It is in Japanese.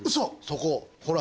そこほら。